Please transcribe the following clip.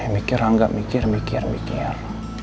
mikir angga mikir mikir mikir